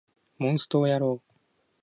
モンストをやろう